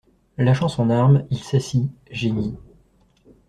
Lâchant son arme, il s'assit, geignit.